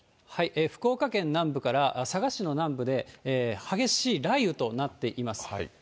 福岡県南部から佐賀市の南部で激しい雷雨となっています。